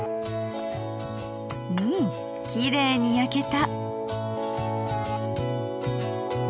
うんきれいに焼けた。